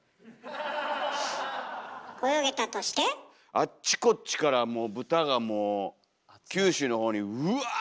あっちこっちからもう豚がもう九州の方にウワッとこう。